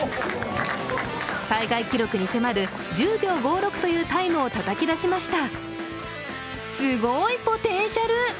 大会記録に迫る１０秒５６というタイムをたたき出しました。